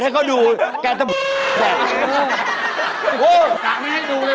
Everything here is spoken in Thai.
สะไม่ได้หนูเลยแกะแบดลอง